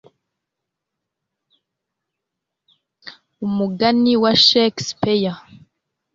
umigani wa shakespeare